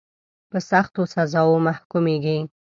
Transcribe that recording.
په سختو سزاوو محکومیږي.